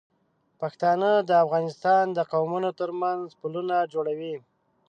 پښتانه د افغانستان د قومونو تر منځ پلونه جوړوي.